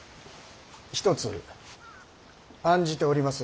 一つ案じております